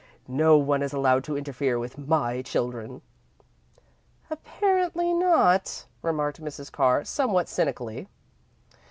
No one is allowed to interfere with my children." "Apparently not," remarked Mrs. Carr, somewhat cynically.